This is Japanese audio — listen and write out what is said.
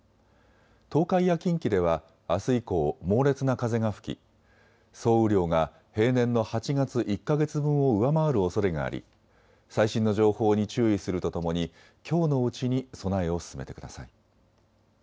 東海や近畿ではあす以降、猛烈な風が吹き総雨量が平年の８月１か月分を上回るおそれがあり最新の情報に注意するとともにきょうのうちに備えを進めてください。